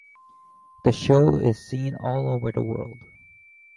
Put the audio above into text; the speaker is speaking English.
The show is seen all over the world.